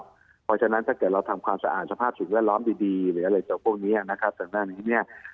เพราะฉะนั้นถ้าเกิดเราทำความสะอาดสภาพสูงแวดล้อมดีหรืออะไรต่อพวกนี้